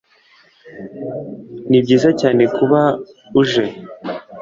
Ni byiza cyane kuba uje.